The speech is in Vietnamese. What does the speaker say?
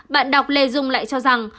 bạn đọc lê dung lại cho rằng